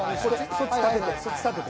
そっち立てて。